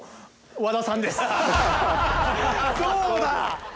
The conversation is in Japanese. そうだ！